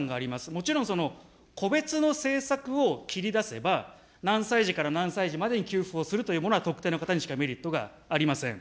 もちろんその個別の政策を切り出せば、何歳児から何歳児までに給付をするというものは、特定の方にしかメリットがありません。